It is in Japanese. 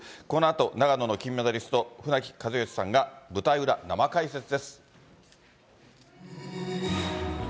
このあと長野の金メダリスト、船木和喜さんが、舞台裏、生解説です。